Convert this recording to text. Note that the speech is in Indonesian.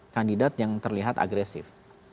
kandidat yang terlihat agresif